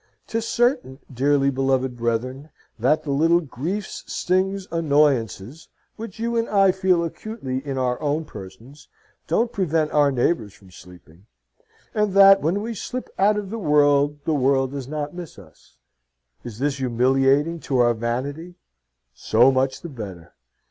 'Tis certain, dearly beloved brethren, that the little griefs, stings, annoyances, which you and I feel acutely in our own persons, don't prevent our neighbours from sleeping; and that when we slip out of the world the world does not miss us. Is this humiliating to our vanity? So much the better.